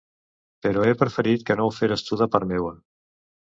Però he preferit que ho feres tu de part meua.